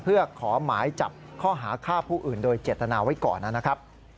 เพื่อขอหมายจับข้อหาฆ่าผู้อื่นโดยเจตนาไว้ก่อนนะครับ